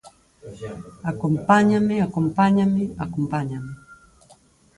'Acompáñame, acompáñame, acompáñame...'